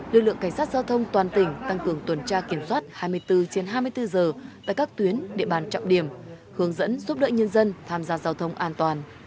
lực lượng cảnh sát giao thông toàn tỉnh tăng cường tuần tra kiểm soát hai mươi bốn trên hai mươi bốn giờ tại các tuyến địa bàn trọng điểm hướng dẫn giúp đỡ nhân dân tham gia giao thông an toàn